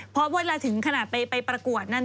เพราะเวลาถึงขนาดไปประกวดนั่น